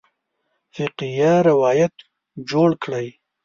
فقیه روایت جوړ کړی.